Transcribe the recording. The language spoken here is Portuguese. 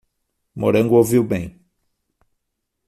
Morango ouviu bem